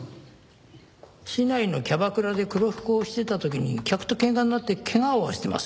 市内のキャバクラで黒服をしてた時に客と喧嘩になって怪我を負わせてます。